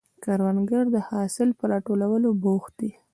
کروندګر د حاصل پر راټولولو بوخت دی